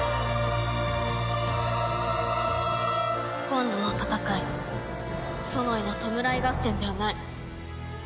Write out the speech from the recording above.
今度の戦いソノイの弔い合戦ではない。